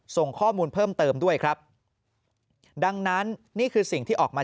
ส่งข้อมูลเพิ่มเติมด้วยครับดังนั้นนี่คือสิ่งที่ออกมา